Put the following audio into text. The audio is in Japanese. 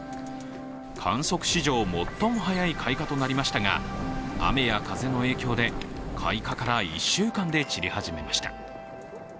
観測史上最も早い開花となりましたが雨や風の影響で、開花から１週間で散り始めました。